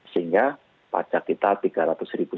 sehingga pajak kita rp tiga ratus ribu